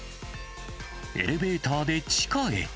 エレベーターで地下へ。